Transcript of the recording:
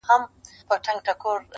خو لا يې سترگي نه دي سرې خلگ خبري كـوي,